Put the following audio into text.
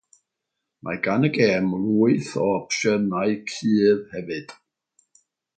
Mae gan y gêm lwyth o opsiynau cudd hefyd.